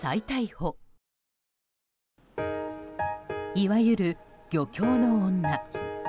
いわゆる、漁協の女。